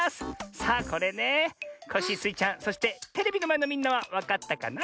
さあこれねコッシースイちゃんそしてテレビのまえのみんなはわかったかな？